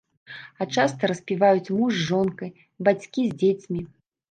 А часта распіваюць муж з жонкай, бацькі з дзецьмі.